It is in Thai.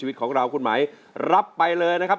หยุดครับหยุดครับหยุดครับ